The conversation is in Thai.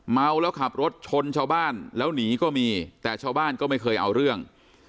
เมาแล้วขับรถชนชาวบ้านแล้วหนีก็มีแต่ชาวบ้านก็ไม่เคยเอาเรื่อง